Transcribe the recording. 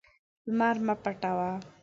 لمر مه پټوه.